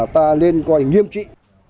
ta lên coi nghiêm trị